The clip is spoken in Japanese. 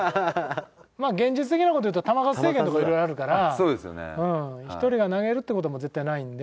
まあ現実的な事言うと球数制限とか色々あるから１人が投げるって事も絶対ないんで。